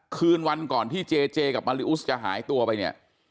คืนวันก่อนที่เจเจกับมาริอุสจะหายตัวไปเนี่ย